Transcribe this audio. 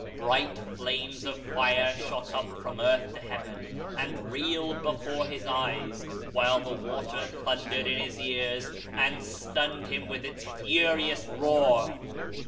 Bright flames of fire shot up from earth to heaven, and reeled before his eyes, while the water thundered in his oars, and stunned him with its furious roar.